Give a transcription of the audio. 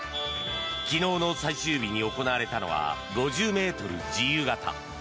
昨日の最終日に行われたのは５０ｍ自由形。